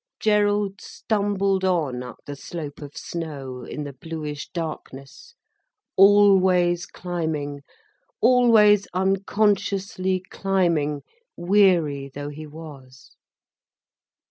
Gerald stumbled on up the slope of snow, in the bluish darkness, always climbing, always unconsciously climbing, weary though he was.